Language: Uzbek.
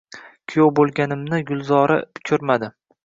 Kuyov bo`lganimni Gulzora ko`rmadi